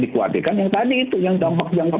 dikhawatirkan yang tadi itu yang dampak yang